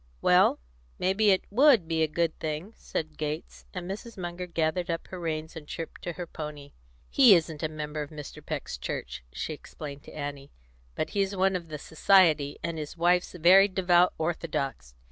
"Well, may be it would be a good thing," said Gates, as Mrs. Munger gathered up her reins and chirped to her pony. "He isn't a member of Mr. Peck's church," she explained to Annie; "but he's one of the society, and his wife's very devout Orthodox.